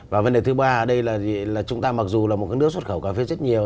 và vấn đề thứ ba ở đây là chúng ta mặc dù là một nước xuất khẩu cà phê rất nhiều